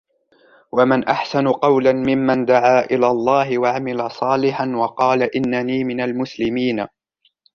وَمَنْ أَحْسَنُ قَوْلًا مِمَّنْ دَعَا إِلَى اللَّهِ وَعَمِلَ صَالِحًا وَقَالَ إِنَّنِي مِنَ الْمُسْلِمِينَ